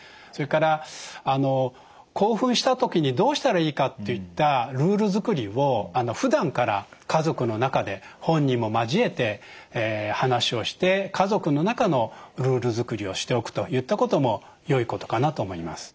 それから興奮した時にどうしたらいいかといったルール作りをふだんから家族の中で本人も交えて話をして家族の中のルール作りをしておくといったこともよいことかなと思います。